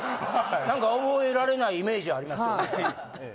なんか覚えられないイメージありますよね。